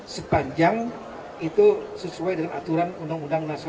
sepanjang itu sesuai dengan aturan undang undang nasional